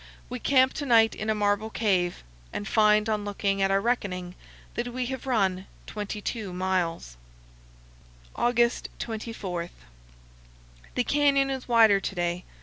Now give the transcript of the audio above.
We camp to night in a marble cave, and find on looking at our reckoning that we have run 22 miles. August 24. The canyon is wider to day.